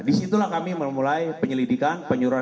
disitulah kami memulai penyelidikan